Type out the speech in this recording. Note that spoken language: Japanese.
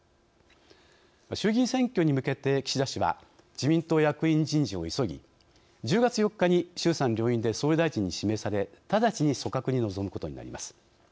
衆議院選挙に向けて、岸田氏は自民党役員人事を急ぎ１０月４日に衆参両院で総理大臣に指名され直ちに組閣に臨むことになります。